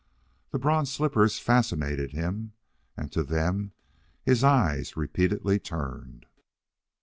The bronze slippers fascinated him, and to them his eyes repeatedly turned.